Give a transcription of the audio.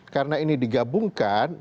karena ini digabungkan